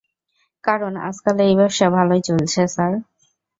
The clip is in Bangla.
কারণ, আজকাল এই ব্যবসা ভালোই চলছে, স্যার।